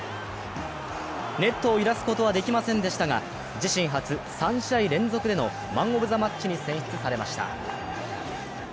ネットを揺らすことはできませんでしたが、自身初、３試合連続でのマン・オブ・ザ・マッチに選出されました。